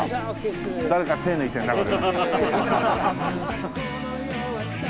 誰か手抜いてるなこれ。